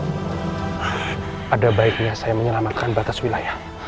ada baiknya saya menyelamatkan batas wilayah